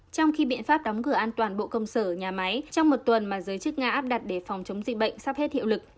trong khi biện pháp đóng cửa an toàn bộ công sở nhà máy trong một tuần mà giới chức nga áp đặt để phòng chống dịch bệnh sắp hết hiệu lực